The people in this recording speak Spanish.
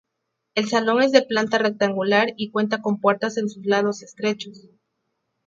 El Salón es de planta rectangular y cuenta con puertas en sus lados estrechos.